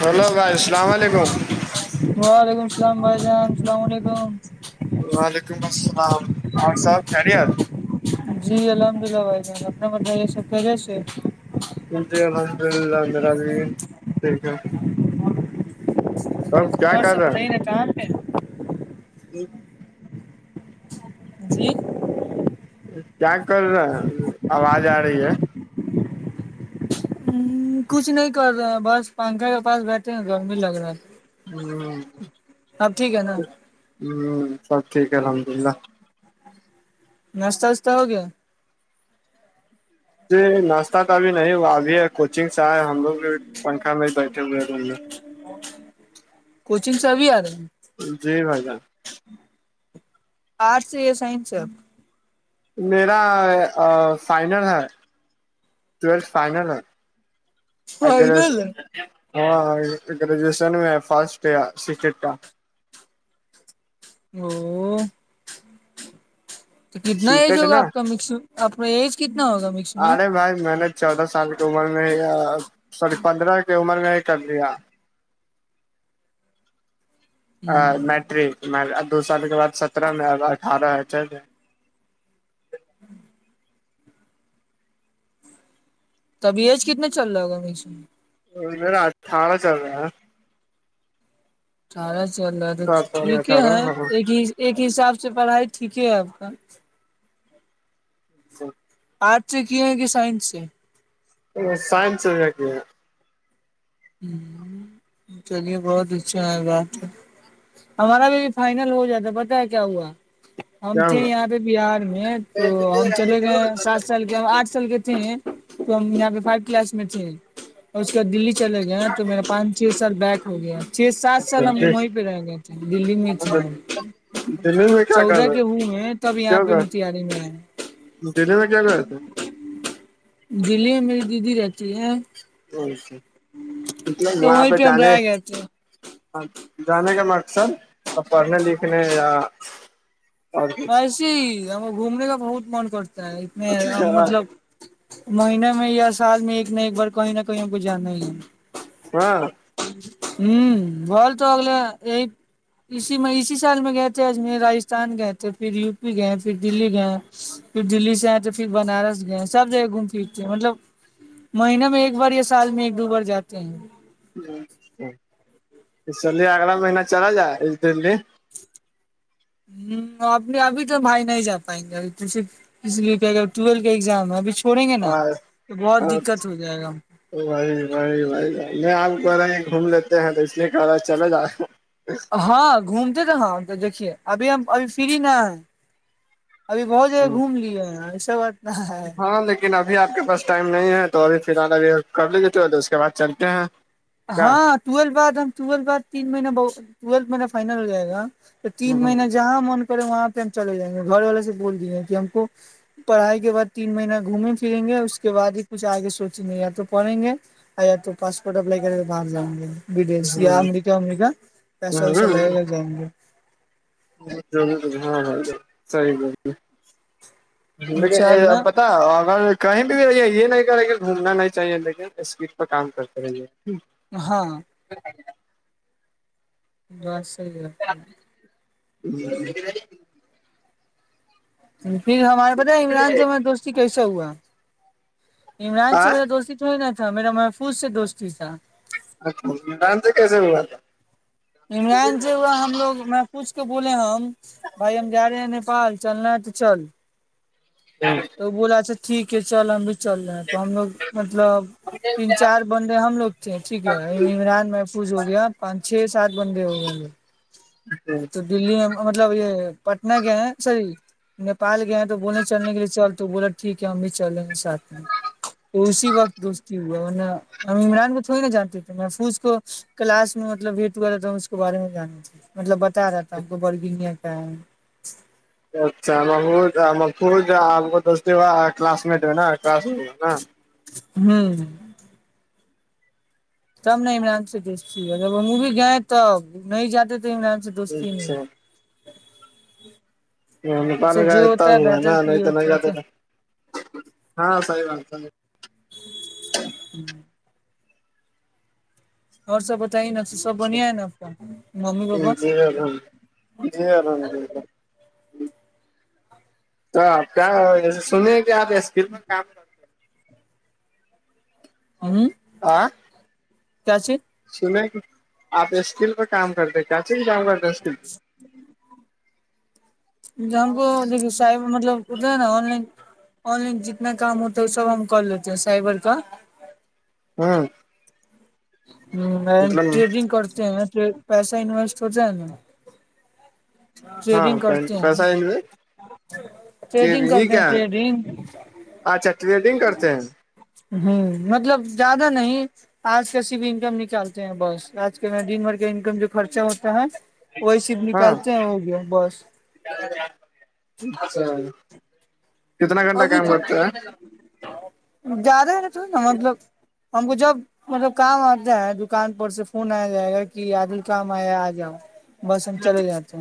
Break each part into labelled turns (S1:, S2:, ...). S1: hello بھائی السلام علیکم
S2: وعلیکم السلام بھائی جان السلام علیکم
S1: وعلیکم السلام ہاں سب خیریت
S2: جی الحمد اللہ بھائی جان اپنا بتائیے سب خیریت سے
S1: جی الحمد للہ میرا بھی ٹھیک ہے تب کیا
S2: اور سب بتائے نا کہاں پہ ہے
S1: جی [unintelligible]
S2: جی
S1: کیا کر رہا آواز آ رہی ہے
S2: ہم کچھ نہیں کر رہے بس پنکھا کے پاس بیٹھے ہیں تو بھی لگ رہا ہے
S1: ہ
S2: اب ٹھیک ہے نا
S1: ہ سب ٹھیک ہے الحمد للہ
S2: ناسہ وسہ ہو گیا
S1: ج ناشہ تو ابھی نہیں ابھی ہے کوچنگ سے ہے ہم لوگ بھی پنکھا میں بیٹھے ہوئے ہیں روم میں
S2: کوچنگ س ابھی آ رہا
S1: جی بھائی جان
S2: آرٹس یا سائنس
S1: میرا فائنل ہے ٹیلھ فائنل ہے
S2: فائنل ہے
S1: ہاں گریجویشن میں ہے فسٹ کا
S2: او تو کتنا ایج
S1: سیٹیٹ
S2: ہوگا
S1: نا
S2: آپ کا مکس ا ایج کتنا ہوگا م
S1: ارے بھائی میں نے چودہ سال کی عمر میں ہی سوری پندرہ کی عمر میں ہی کر لیا میٹرک دو سال کے بد سترہ میں ا اٹھارہ
S2: تبھی ایج کتنے چل رہا ہوا مش میں
S1: ااراھالا چل رہا
S2: اٹھارہ چل رہا ہے تو
S1: سات سال
S2: ٹھیک ہے
S1: اٹھارہ ہاں
S2: ایک ہی ایک حساب سے پڑھائی ٹھیک ہے آپ کا
S1: ا [inaudible]
S2: آرٹ سے کیے ہیں کہ سائنس سے
S1: سائنسال آے
S2: ہ چلیے بہت اچھا ہے بات ہمارا بھی اب فائنل ہو جاتا ہے پتا ہے کیا ہوا ہم
S1: کیا
S2: تھے
S1: ہوا
S2: یہاں پہ بہار میں تو ہم چلے گئے سات سال کے آٹھ سال کے تھے تو ہم یہاں پہ فائیو کلاس میں تھے اور اس کے بعد دلی چلے گئے نا تو میرا پانچ چ سر بیک ہو گیا چھ سات سال ہم وہیں پہ رہ گئے تھے دلی میں چنا
S1: دل میں [unintelligible]
S2: چودہ کے ہوں ہیں تب یہاں
S1: کیا
S2: پہ
S1: کر
S2: متہاری میں ہے
S1: دلی میں کیا کیا ہو تھا
S2: دلی میں میری دیدی رہتی ہے
S1: اا کی
S2: تو
S1: وہاں
S2: وہیں
S1: پہ
S2: ہم
S1: جانے
S2: رہ گئے تھے
S1: [unintelligible] ہاں جانے کا مقصد پڑھنے لکھنے یا اور کچھ
S2: وسے ہی ہم گھومنے کا بہت من کرتا ہے اتنے
S1: اچھا
S2: مطلب مہنے میں یا سال میں ایک نہ ایک بار کہیں نہ کہیں کو جانا ہی ہے
S1: ہاں
S2: ہوں ب تو اگل یہ اسی میں اسی سال میں گئے تھے اجمیر راستھان گئے تھے پھر یو پی گئے پھر دلی گئے اٹلی بنارس گی سب ٹھیک سے مطلب مہینے میں ایک بار یا سال میں ایک دو بار جاتے ہیں
S1: اسلیے اگلا مہین چلا جائے اس دن
S2: ہ انے ابھی تو بھائی نہیں جا پائیں گے ابھی تو صرف اس لیے کیا کہ ٹویل کا ایگزام ہے اب چھوڑیں گے نا
S1: اور
S2: تو بہت دقت ہو جائے گا
S1: وہی وہی وہی نہیں آپ کو رہ گھوم لیتے ہیں تو اس لیے کہ رہا چلے جایں اچ [unintelligible]
S2: کو ہاں گھومتے تھ تو دیکھیے ابھی ہم ابھی فری نہ ہے ابھی بہت جگہ گھوم لیے ہیں ایسا بات نہ ہے
S1: ہاں لیک لیکن ابھی آپ کے پاس ٹائم نہیں ہے تو ابھی فی الال ابھی کر لی جتے اس کے بعد چلتے ہیں کیا
S2: ہاں ٹوی بعد ہم و بعد تین مہینہ ٹویل میرا فائنل ہو جائے گا تو تین مہینہ جہاں من کرے وہاں پہ ہم چے جائیں گے گھر والے سے بول دییں گے کہ ہم کو پڑھائی کے بعد تین مہینہ گھومیں پھریں گے اس کے بعد ہی کچھ آگے سوچیں نہیں یا تو پڑھیں گے ا تو پاپورٹ ا باہر جائیں گے بدیش یا امریکہ امریکہ پیسہ ویسا لگے کر جائیں گے
S1: ضور ہاں ہاں ساری ب ہے
S2: انشاء
S1: لیکن پتا
S2: اللہ
S1: اگر کہیں بھی بھی یہ نہیں کر رہے کہ گھومنا نہیں چاہیے لیکن اسپیڈ پ کام کرتے رہیے
S2: ہاں
S1: [unintelligible]
S2: بس صحیح ب
S1: [unintelligible]
S2: پھر ہمارے بتایا عمران سے ما دوستی کیسے ہوا عمران سے میرا دوستی سوچنا تھا میرا محفوظ سے دوستی تھا
S1: اچ میدان سے کیسے ہوا تھا
S2: عمران سے ہوا ہم لوگ میں پوچھ کے بولے ہیں بھائی ہم جا رہے ہیں نیپال چلنا ہے تو چل
S1: ہاں [unintelligible]
S2: تو بولا اچھا ٹھیک ہے چل ہم بھی چل رہے ہیں تو ہم لوگ مطلب تین چار بندے ہم لوگ تھے ٹھیک ہے عمران محفوظ ہو گیا پانچ چھ سات بند ہوگے
S1: جچ [unintelligible]
S2: تو دلی میں مطلب یہ پٹنہ گیا ہیں سر نیپال گیا ہیں تو بولنے چلنے کے لیے چل تو بولا ٹھیک ہے ہم بھی چلیں گے ساتھ میں تو اسی وقت دوستی ہوا ان نے ہم عمران کو تھوڑی نہا جانتے تھے محفوظ کو کلاس میں مطلب ویٹ ہوا رہ تھا اس کے بارے میں جان مطلب بتا رہا تھا ہم کو برگنیہ کا ہے
S1: اچھا مح محفوظ آپ کو دس ب کلاس مٹ ہے نا کلاس نا
S2: ہوں تب نے عمران سے دیکھتی اگر وہ بھی گئے تب نہیں جاتے تھے عمران سے دوستی
S1: اچھا
S2: نہیں
S1: پان
S2: اسے
S1: گ
S2: جو ہوتا
S1: تب ہوا ہے نا
S2: بہتر کے
S1: نہیں
S2: لیے
S1: تو نہیں
S2: ہوتا ہے
S1: گات
S2: کیا
S1: ہاں صحیح بات س
S2: اور سب بتائیے ن سب بنیا ہے ن ممی پاپا
S1: [unintelligible] جی الرحمدد آپ کیا سنی آد ہے اسکھر میں کام کرتے
S2: ہ [unintelligible]
S1: آ
S2: کیاچی [unintelligible] [unintelligible]
S1: سنیں کہ آپ اسکل پہ کام کرتے چچی بھی کام کرتے ہیں اسکل پ
S2: ہی [unintelligible] [inaudible] ج ہم کو د صاحب مطلب اتنا ہے نا آن لائن آن لائن جتنا کام ہوتا ہے وہ سب ہم کر لیتے ہیں سائبر کا
S1: ہاں
S2: ہ ٹریڈنگ کرتے ہیں نا پیسہ انویسٹ ہوتا ہے نا
S1: ہاں
S2: ٹریڈنگ کرتے
S1: پیسہ ہی
S2: ہیں ٹریڈنگ
S1: نہیں یہ
S2: کرتے ہیں
S1: کیا ہے
S2: ٹریڈنگ
S1: اچھا ٹریڈنگ کرتے ہیں
S2: ہوں مطلب زیادہ نہیں آج کسی بھی انکم نکالتے ہیں بس آج کے دن بھر کا انکم جو خرچہ ہوتا ہے وہیسی بھی نکالتے ہیں ہو گیا بس
S1: سا [inaudible] [unintelligible]
S2: ابھی تو زیادہ ہے نا تو نا مطلب ہم کو جب مطلب کام آتا ہے دکان پر سے فون آ جائے گا کہ عادل کام آیا آ جاؤ بس ہم چلے جاتے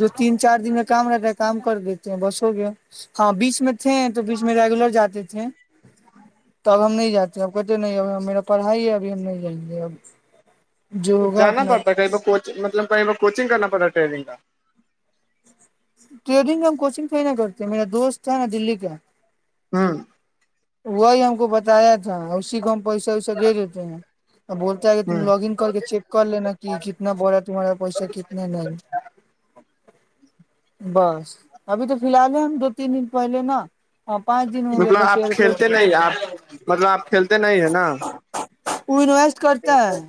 S2: دو تین چار دن میں کام رہتا ہے کام کر دیتے ہیں بس ہو گیا ہاں بیس میں تھے تو بیچ میں ریگولر جاتے تھے ت اب ہم نہیں جاتے اب کہتے نہیں اب میرا پڑھائی ہے ابھی ہم نہیں جائیں گے اب جو ہوگا
S1: جانا
S2: اپنا
S1: پڑتا کہیں بچنگ مطلب کہیں کوچنگ کرنا پڑتا ٹریننگ کا
S2: ٹرینگ ہم کوچنگ تو ہیا کرتے میرا دوست ہے نا دلی کا
S1: ہاں
S2: وہی ہم کو بتایا تھا اسی کو ہم پیسہ ویسہ دے دیتے ہیں اور ب تم
S1: ہوں
S2: لاگن کر کے چیک کر لینا کہ کتنا بڑا ہے تمہارا پیسہ کتنا نہیں بس ابھی تو فی الحال ہے ہم دو تین دن پہلے نا ہ پانچ دن ہو گیا دسار
S1: کل نہیں آپ مطلب آپ کھیلتے نہیں ہے نا
S2: پوری لئے [unintelligible] کرتے ہیں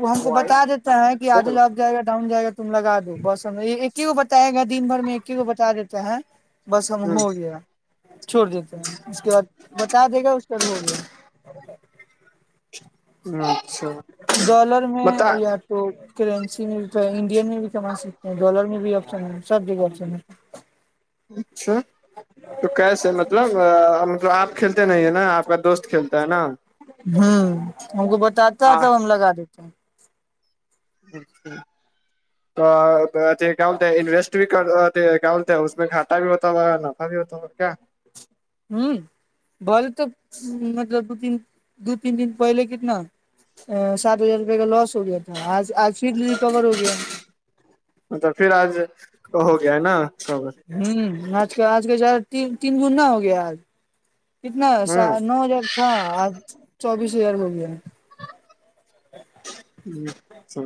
S2: وہ ہم کو بتا دیتا ہیں کہ
S1: ہ
S2: آادل آب جائے گا ڈاؤن جائے گا تم لگا دو بس ہم ایک ہی گ بتائے گ دن بھر میں ایک ہی کو بتا دیتا ہے بس ہم ہو گیا چھوڑ دیتے ہیں اس کے بعد بتا دے گا اس کا ہو گیا
S1: اچھا [unintelligible]
S2: ڈالر میں
S1: بتا
S2: یا تو کرنسی میں بھی تو انڈین میں بھی کما سکتے ہیں ڈالر میں بھی آپشن ہے سب جگہ آپشن ہے
S1: اچھا تو کیسے مطلب مطب آپ کھیلتے نہیں ہیں نا آپ کا دوست کھیلتا ہے نا
S2: ہوں ہم کو بتاتا تھا لگا دیتے ہیں [unintelligible]
S1: اورک [unintelligible] گول ہے انویسٹ بھی کر اس میں کھاتا بھی ہو نفا بھی ہوتا کیا
S2: ہوں بولے تو مطلب دو تین دو تین دن پہلے کتنا سات ہزار روپئے کا لاس ہو گیا تھا آج آج پھر ریکور ہو گیا
S1: مطب پھر آج ہو گیا ہے نا سب
S2: ہوں آج کا آج کا چار تین گننا ہو گیا آج کتناا
S1: ہوں
S2: نو ہزار تھا آج چوبیس ہزار ہو گیا ا [inaudible]
S1: ہچھا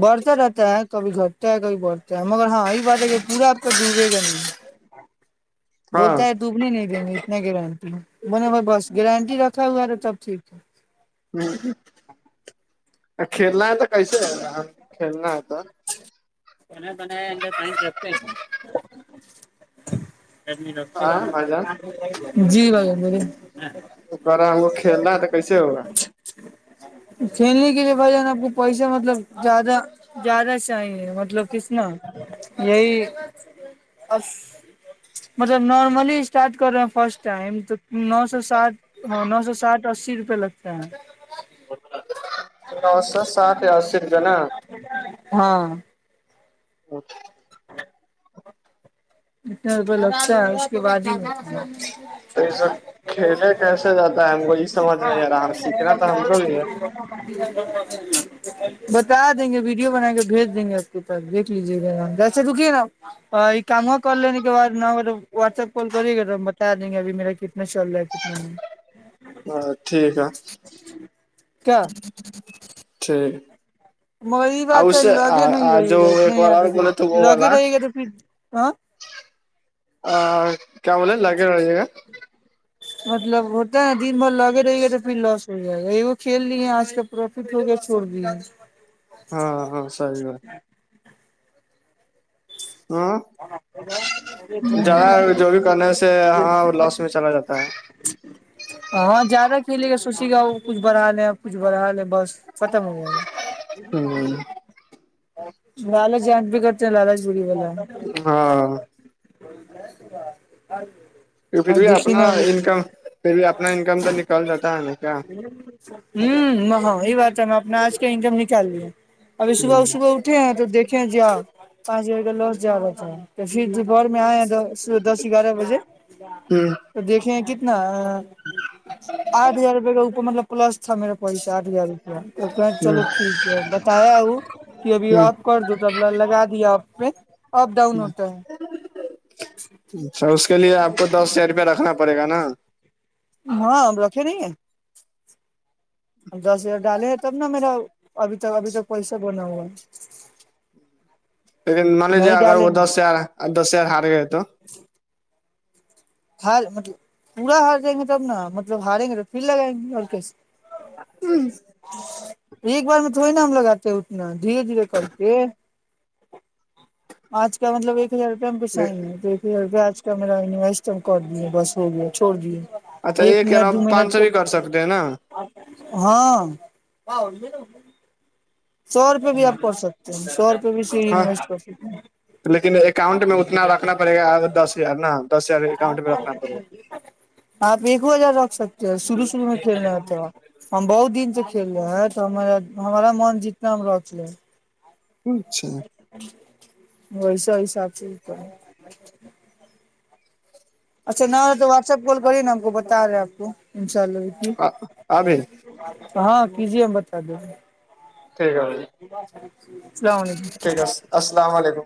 S2: بڑھتا رہتا ہے کبھی گھٹتا ہے کبھی بڑھتا ہے مگر ہاں یہی بات ہے کہ پورا آپ کا ڈوبے گا نہیں بولتا
S1: ہاں
S2: ہے تووپنے نہیں دیں گے اتنا گارنٹی میں نے بھائی بس گارنٹی رکھا ہوا تو تب ٹھیک ہے
S1: ہ کھیلنا ہے تو کیسے ہے کھیلنا ہے تو
S2: تونے تونے اندر سائ رستے ہے
S1: آ بھائی جان
S2: جی بھائی
S1: وہ کرا ہم کو کھیلا تو کیسے ہوگ گا
S2: کھیلنے کے لیے بھائی جان آپ کو پیسے مطلب زیادہ زیادہ سے چاہیے مطلب کسنا یہی مطلب نارملی اسٹارٹ کر رہے ہیں فرسٹ ٹائم تو نو سو سات ہاں نو سو ساٹھ اسی روپے لگتا ہے
S1: سا سات یا کا نا
S2: ہاں
S1: اوکے
S2: اتنا روپئے لگتا ہے اس کے بعد ہی اں
S1: تو یہ سب کھیلے کیسے جاتا ہے ہم کو یہ سمجھ نہیں آ رہا ہم سیکھنا تو ہم کو بھی ہے
S2: بتا دیں گے ویڈیو بنا کے بھیج دیں گے آپ کو دیکھ لیجیے گا نا جیسے دکے نا یہ کام کال لینے کے بع ن اگر واٹس ایپ کال کری گا تو ہم بتا دیں گے ابھی میرا کتنا چل رہا ہے کتنا نہیں
S1: ہاں ٹھیک ہے
S2: کیا
S1: ٹھیک
S2: مگر یہ
S1: اور
S2: بات
S1: اس
S2: ہے
S1: سے
S2: لگے نہیں
S1: جو
S2: رہے گا اتنا
S1: ایک والا
S2: یاد
S1: اور
S2: رکھیے
S1: بولے تھے وہ
S2: لگے
S1: والا
S2: رہے گا تو پھر ہاں
S1: آ کیا بولے لگے رہیے گا
S2: مطلب ہوتا ہے نا دن بھر لگے رہ گئے تو پھر لاس ہو جائے گای وہ کھیل لیے آج کا پروفٹ ہو گیا چھوڑ دیا
S1: ہاں ہاں سی بات ہاں جدا جو بھی کرنے سے ہاں لوس میں چلا جاتا ہے
S2: ہاں زیادہ کھیلے گا سوچیے گا وہ کچھ بڑھا لے ا کچھ بڑھا لے بس پت م ہوے
S1: ہوں
S2: لالچ جاند بھی کرتے ہیں لالچ بڑی والا ب
S1: ہاں
S2: ب [unintelligible]
S1: کی پھر بھی اپنا انکم پھر بھی اپنا انکم تو نکال جاتا ہے ن
S2: ہ ہ ہاں یہی بات ہے اپنا آج کا انکم نکال لیا اب
S1: ہ
S2: اس کو اٹھے ہیں تو دیکھیں جی تو پھر دوپہر میں آئے ہیں صبح دس گیارہ بجے
S1: ہوں
S2: تو دیکھیں کت نہ آٹھ ہزار روپئے کا اوپر مطلب پلس تھا میرا پیسہ آٹھ ہزار روپیہ تو کہیں
S1: ہوں
S2: چلو ٹھیک ہے بتایا ہوں کہ ابھی
S1: ہوں
S2: آپ کر دو تب لگا دیا آ پہ اپ ڈاؤن ہوتا ہے
S1: اچھا اس کے لیے آپ کو دس ہزار روپیہ رکھنا پڑے گا نا
S2: ہاں رکھے نہیں دس ہزار ڈالے ہیں تب نہا میرا ابھی تک ابھی تک پیسہ بنا ہوا ہے
S1: لیکن مان لیجیے
S2: نہیں
S1: اگر
S2: ڈالیں
S1: وہ دس
S2: گے
S1: ہزار دس ہزار ہار گ تو
S2: ہار مطلب پورا ہار جائیں گے تب نا مطلب ہاریں گے تو پھر لگائیں گے اور کیسے
S1: ہی
S2: ایک بار میں تھوڑی نام لگاتے اتنا دھیرے دھیرے کر کے آج کا مطلب ایک ہزار روپ ہم پیساہ ہیں تو ایک ہزار روپئے آج کیامجتم کر دیے بس ہو گیا چھوڑ دییے
S1: اچھا
S2: ایک
S1: یہ کہہ رہا
S2: منٹ دو
S1: ہوں پانچ
S2: منٹ
S1: سو بھی کر سکتے ہیں نا
S2: ہاں سو روپے بھی آپ کر سکتے ہیں سو روپئے بھی سی
S1: ہاں
S2: انویسٹ کر سکتے ہیں
S1: لیکن اکاؤنٹ میں اتنا رکھنا پڑے گا دس ہزار ن دس ہزار اکاؤنٹ میں رکھنا پڑے گا
S2: آپ ایک ہزار رکھ سکتے ہیں شرو شروع میں کھیلنے ہوتے ہیںپ ہم بہت دن سے کھیل رہے ہیں تو ہمارا من جتنا میں رچلے
S1: اچھا
S2: ویسا حساب سے کر اچھا تو واٹس ایپ کال کری نا ہم کو بتا رہے آپ کو انشاء اللہ بھی
S1: آ ابھی
S2: ہاں کیجیے ہم بتا دو
S1: ٹھیک ہے
S2: السلام علیکم
S1: ٹھیک ہے السلام علیکم